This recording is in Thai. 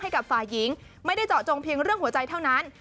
ให้กับฝ่ายหญิงไม่ได้เจาะจงเพียงเรื่องหัวใจเท่านั้น